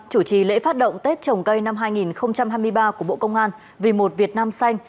chủ trì lễ phát động tết trồng cây năm hai nghìn hai mươi ba của bộ công an vì một việt nam xanh